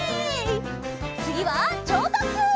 つぎはちょうとっきゅう！